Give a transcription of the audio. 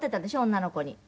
女の子に。